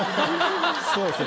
そうですね